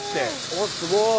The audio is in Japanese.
おっすごい。